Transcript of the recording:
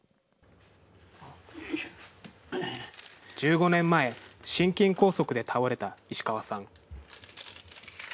１５年前、心筋梗塞で倒れた石川さん。